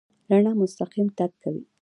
رڼا مستقیم تګ کوي.